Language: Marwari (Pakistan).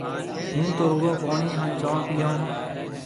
هُون تو رُگو پوڻِي هانَ چونه پِيو هون۔